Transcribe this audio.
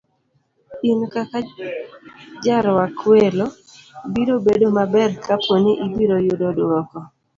In kaka jarwak welo, biro bedo maber kapo ni ibiro yudo duoko